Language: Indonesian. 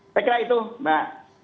saya kira itu mbak